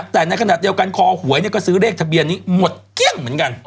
แต่ในขณะเดียวกันคอหวยก็ซื้อเลขทะเบียนนี้หมดเกลี้ยงเหมือนกัน